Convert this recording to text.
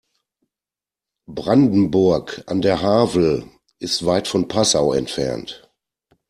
Brandenburg an der Havel ist weit von Passau entfernt